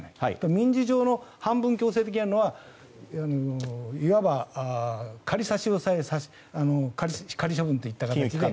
民事上、半分強制的にやるのはいわば仮差し押さえ仮処分といった形。